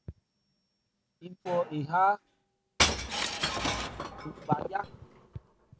Yípɔ éha ngbawa.